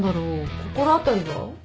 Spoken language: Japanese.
心当たりは？